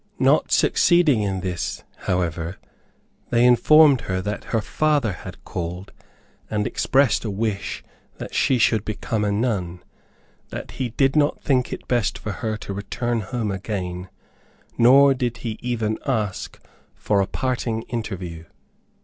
Not succeeding in this, however, they informed her that her father had called, and expressed a wish that she should become a nun; that he did not think it best for her to return home again, nor did he even ask for a parting interview.